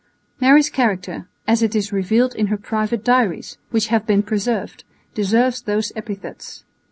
Mary's character, as it is revealed in her private diaries, which have been preserved, deserves those epithets.